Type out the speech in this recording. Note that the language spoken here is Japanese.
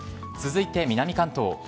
続いて南関東。